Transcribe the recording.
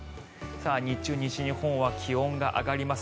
日中、西日本は気温が上がります。